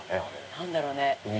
何だろうね？